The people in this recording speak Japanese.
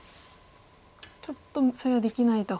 ちょっとそれはできないと。